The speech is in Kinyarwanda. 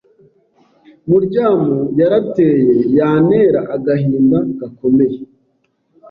Muryamo yarateye yantera agahinda gakomeye